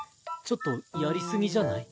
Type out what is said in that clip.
ちょっとやり過ぎじゃない？